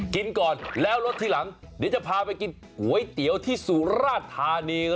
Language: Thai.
กินก่อนแล้วรสทีหลังเดี๋ยวจะพาไปกินก๋วยเตี๋ยวที่สุราธานี